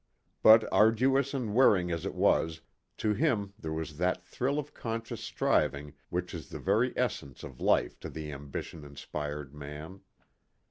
But arduous and wearing as it was, to him there was that thrill of conscious striving which is the very essence of life to the ambition inspired man.